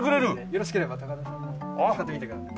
よろしければ高田さんも撮ってみてください。